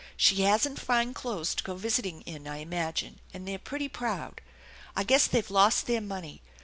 She hasn't fine clothes to go visiting in, I imagine, and they're pretty proud. I guess they've lost their money.